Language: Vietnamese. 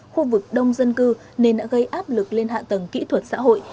khu vực đông dân cư nên đã gây áp lực lên hạ tầng kỹ thuật xã hội